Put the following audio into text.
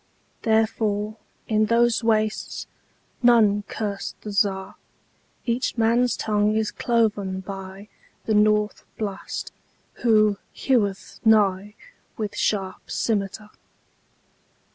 Therefore, in those wastesNone curse the Czar.Each man's tongue is cloven byThe North Blast, who heweth nighWith sharp scymitar.